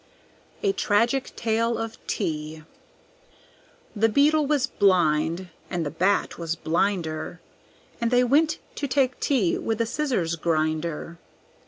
A Tragic Tale of Tea The Beetle was blind, and the Bat was blinder, And they went to take tea with the Scissors grinder.